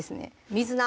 水菜